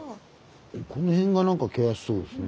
この辺がなんか険しそうですね。